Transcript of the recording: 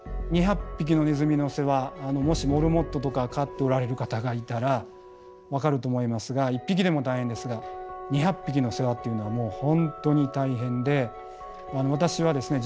２００匹のネズミの世話もしモルモットとか飼っておられる方がいたら分かると思いますが１匹でも大変ですが２００匹の世話っていうのは本当に大変で私はですね